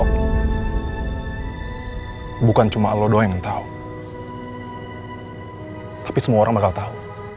besok bukan cuma lo doang yang tau tapi semua orang bakal tau